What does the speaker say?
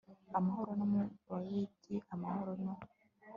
amahoro no mu babibyi, amahoro no